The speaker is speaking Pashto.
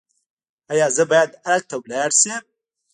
ایا زه باید ارګ ته لاړ شم؟